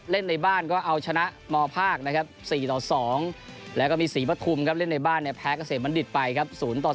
เล่นในบ้านก็เอาชนะมภนะครับ๔๒แล้วก็มี๔ปฐุมครับเล่นในบ้านเนี่ยแพ้เกษตรมันดิตไปครับ๐๔